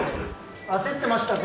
焦ってましたか？